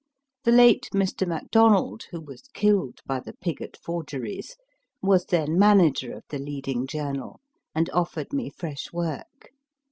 The late Mr. Macdonald, who was killed by the Pigott forgeries, was then manager of the leading journal, and offered me fresh work.